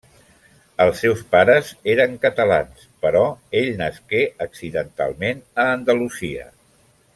Els seus pares eren catalans, però ell nasqué accidentalment a Andalusia.